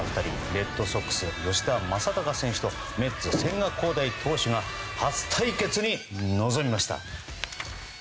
レッドソックス、吉田正尚選手とメッツ、千賀滉大投手が初対決に臨みました。